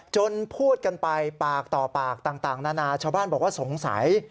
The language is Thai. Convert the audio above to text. พูดกันไปปากต่อปากต่างนานาชาวบ้านบอกว่าสงสัย